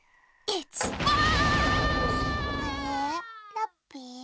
ラッピー？